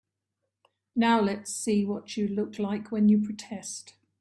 Now let's see what you look like when you protest.